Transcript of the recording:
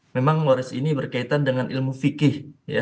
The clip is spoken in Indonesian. memang waris ini berkaitan dengan ilmu fikih